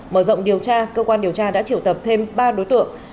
mở rộng điều tra cơ quan điều tra đã triệu tập thêm ba đối tượng